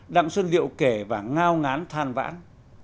đặng xuân điệu kể và ngao ngán than vãn